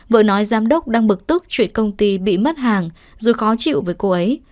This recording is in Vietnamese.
vợ nói giám đốc đang bực tức chuyển công ty bị mất hàng rồi khó chịu với cô ấy